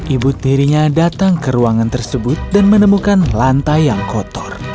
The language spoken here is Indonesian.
ibu tirinya datang ke ruangan tersebut dan menemukan lantai yang kotor